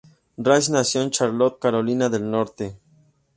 Rash nació en Charlotte, Carolina del Norte.